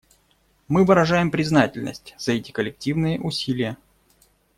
Мы выражаем признательность за эти коллективные усилия.